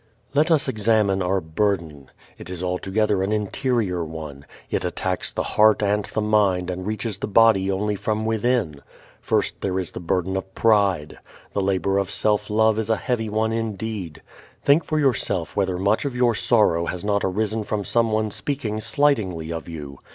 Let us examine our burden. It is altogether an interior one. It attacks the heart and the mind and reaches the body only from within. First, there is the burden of pride. The labor of self love is a heavy one indeed. Think for yourself whether much of your sorrow has not arisen from someone speaking slightingly of you.